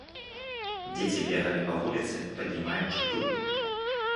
Дзеці бегалі па вуліцы, паднімаючы пыл.